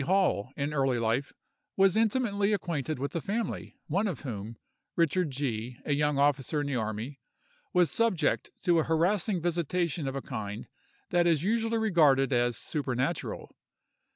Hall, in early life, was intimately acquainted with a family, one of whom, Richard G——, a young officer in the army, was subject to a harassing visitation of a kind that is usually regarded as supernatural.